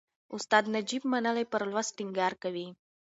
استاد نجيب منلی پر لوست ټینګار کوي.